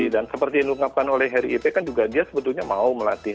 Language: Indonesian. dan seperti diunggahkan oleh harry ipe dia sebetulnya mau melatih